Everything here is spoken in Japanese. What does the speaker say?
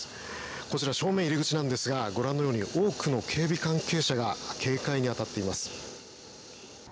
こちら、正面入り口なんですがご覧のように多くの警備関係者が警戒に当たっています。